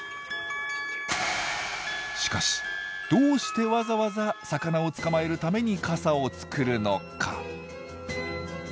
しかしどうしてわざわざ魚を捕まえるために傘を作るのか？